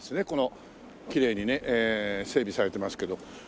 このきれいにね整備されてますけど。